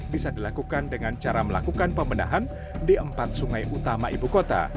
bisa dilakukan dengan cara melakukan pembenahan di empat sungai utama ibu kota